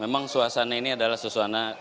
memang suasana ini adalah suasana yang dimana mana